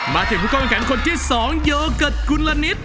มาเถอะทุกวงแขนคนที่๒โยเกิดกูหลานิต